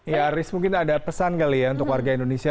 ya aris mungkin ada pesan kali ya untuk warga indonesia